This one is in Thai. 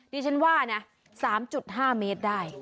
ที่ฉันว่า๓๕เมตรได้